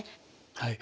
はい。